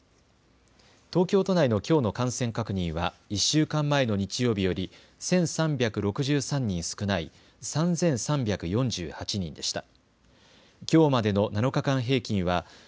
東京都内のきょうの感染確認は１週間前の日曜日より１３６３人少ない３３４８人でした。